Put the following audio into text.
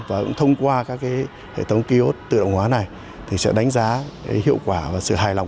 và cũng thông qua các hệ thống kiosk tự động hóa này thì sẽ đánh giá hiệu quả và sự hài lòng